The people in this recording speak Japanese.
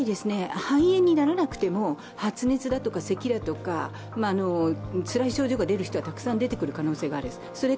肺炎にならなくても発熱とかせきだとか、つらい症状が出る人がたくさん出てくる可能性がある。